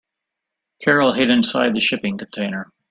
Carol hid inside the shipping container.